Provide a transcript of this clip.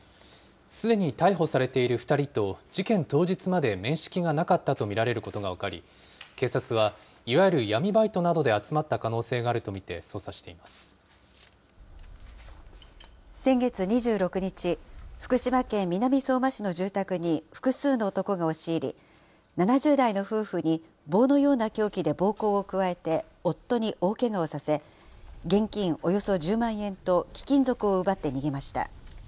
すでに逮捕されている２人と事件当日まで面識がなかったと見られることが分かり、警察はいわゆる闇バイトなどで集まった可能先月２６日、福島県南相馬市の住宅に複数の男が押し入り、７０代の夫婦に棒のような凶器で暴行を加えて、夫に大けがをさせ、現金およそ１０万円と貴金属を奪って逃げました。